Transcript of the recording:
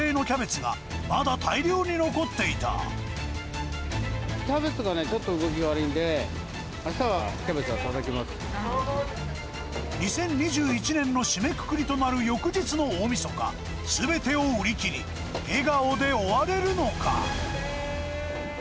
キャベツがね、ちょっと動きが悪いんで、２０２１年の締めくくりとなる翌日の大みそか、すべてを売り切り、笑顔で終われるのか。